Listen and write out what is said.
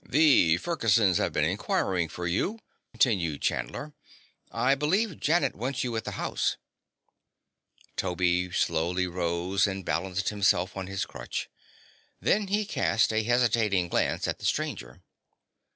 "The Fergusons have been inquiring for you," continued Chandler. "I believe Janet wants you at the house." Toby slowly rose and balanced himself on his crutch. Then he cast a hesitating glance at the stranger.